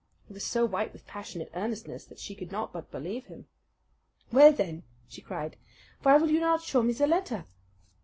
He was so white with passionate earnestness that she could not but believe him. "Well, then," she cried, "why will you not show me the letter?"